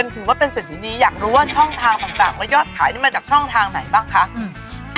ถือว่าเป็นเศรษฐีนีอยากรู้ว่าช่องทางต่างว่ายอดขายนี่มาจากช่องทางไหนบ้างคะ